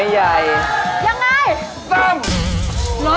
ยังไง